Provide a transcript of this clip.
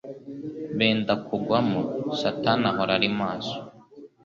benda kugwamo. Satani ahora ari maso